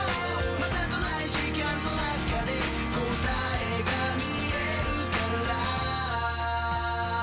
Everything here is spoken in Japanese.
「またと無い時間の中で答えが見えるから」